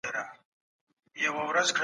خلګ باید د پرمختګ په بهیر کي برخه واخلي.